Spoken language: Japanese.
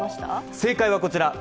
正解はこちら。